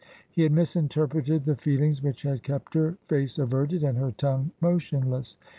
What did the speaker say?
He had misinterpreted the feelings which had kept her face averted and her tongue motionless.